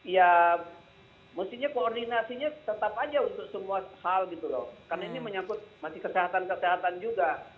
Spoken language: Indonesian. ya mestinya koordinasinya tetap aja untuk semua hal gitu loh karena ini menyangkut masih kesehatan kesehatan juga